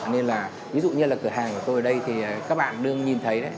nên là ví dụ như là cửa hàng của tôi ở đây thì các bạn đương nhìn thấy đấy